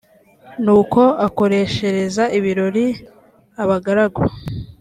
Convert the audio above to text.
nuko akoreshereza ibirori abagaragu